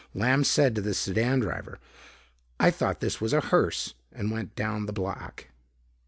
Lamb said to the sedan driver, "I thought this was a hearse" and went down the block.